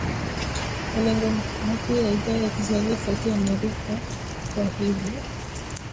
Malengo makuu ya Idhaa ya kiswahili ya Sauti ya Amerika kwa hivi